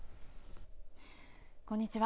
こんにちは。